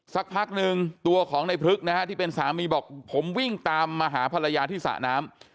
สักพักหนึ่งตัวของในพลึกนะฮะที่เป็นสามีบอกผมวิ่งตามมาหาภรรยาที่สระน้ำ